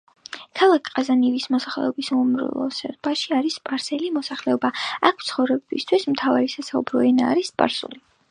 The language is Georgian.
ქალაქ ყაზვინის მოსახლეობის უმრავლესობაში არის სპარსული მოსახლეობა, აქ მცხოვრებთათვის მთავარი სასაუბრო ენა არის სპარსული.